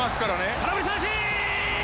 空振り三振！